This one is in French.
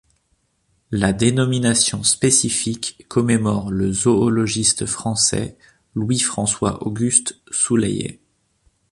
La dénomination spécifique commémore le zoologiste français Louis François Auguste Souleyet.